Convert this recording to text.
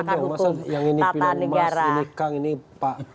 iya kan masa yang ini pindah mas ini kang ini pak